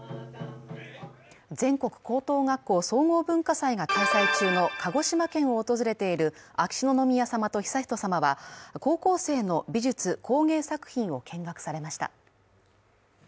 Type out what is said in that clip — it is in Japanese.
全国高等学校総合文化祭が開催中の鹿児島県を訪れている秋篠宮さまと悠仁さまは高校生の美術・工芸作品を見学されました。